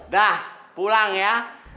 dah pulang ya